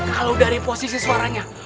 kalau dari posisi suaranya